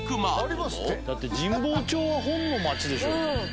「だって神保町は本の街でしょ」